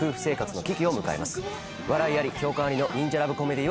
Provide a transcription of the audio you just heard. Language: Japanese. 笑いあり共感ありの忍者ラブコメディー